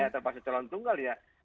terpaksa calon tunggal ya